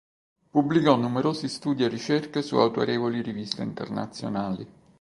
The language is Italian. Pubblicò numerosi studi e ricerche su autorevoli riviste internazionali.